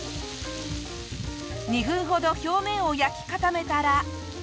２分ほど表面を焼き固めたら。